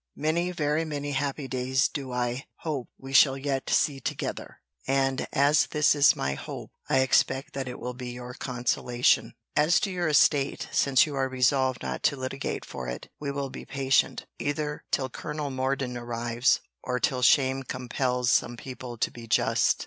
Many, very many, happy days do I hope we shall yet see together; and as this is my hope, I expect that it will be your consolation. As to your estate, since you are resolved not to litigate for it, we will be patient, either till Colonel Morden arrives, or till shame compels some people to be just.